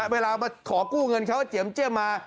เวลามาขอกู้เงินเขาเจียมเจี้ยมมา